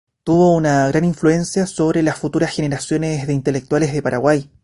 Tuvo una gran influencia sobre las futuras generaciones de intelectuales de Paraguay.